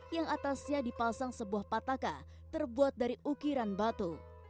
yang atasnya dipasang sebuah pataka terbuat dari ukiran batu